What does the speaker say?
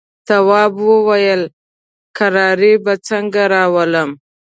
تواب وويل: کراري به څنګه راولم.